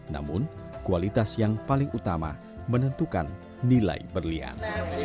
namun kualitas yang paling utama menentukan nilai berlian